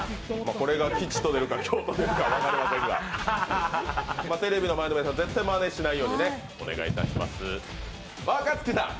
これが吉と出るか凶と出るかわかりませんがテレビの前の皆さん絶対にまねしないようにお願いいたします。